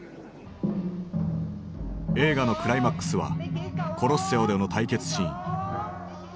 映画のクライマックスはコロッセオでの対決シーン。